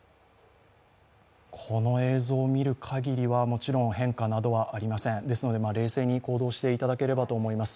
この映像を見るかぎりはもちろん変化などはありませんので冷静に行動していただければと思います。